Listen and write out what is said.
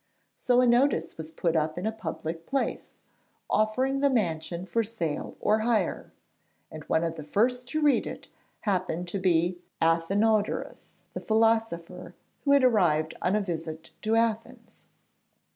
So a notice was put up in a public place, offering the mansion for sale or hire, and one of the first to read it happened to be Athenodorus the philosopher, who had arrived on a visit to Athens.